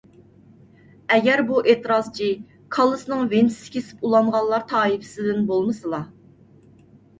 ئەگەر بۇ ئېتىرازچى كاللىسىنىڭ ۋېنتىسى كېسىپ ئۇلانغانلار تائىپىسىدىن بولمىسىلا ...